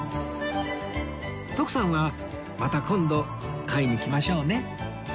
徳さんはまた今度買いに来ましょうね